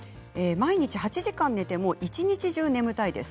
毎日８時間寝ても一日中眠たいです。